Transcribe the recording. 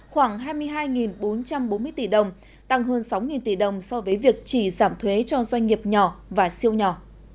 khoảng hai mươi hai bốn trăm bốn mươi tỷ đồng tăng hơn sáu tỷ đồng so với việc chỉ giảm thuế cho doanh nghiệp nhỏ và siêu nhỏ